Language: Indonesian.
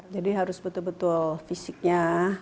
jadi harus betul betul fisiknya